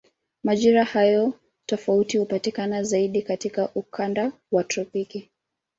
Majira hayo tofauti hupatikana zaidi katika ukanda wa tropiki.